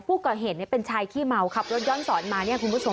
ผู้ก่อเหตุเป็นชายขี้เมาขับรถย้อนสอนมาเนี่ยคุณผู้ชม